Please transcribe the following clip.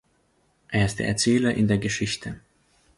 Er ist der Erzähler in der Geschichte.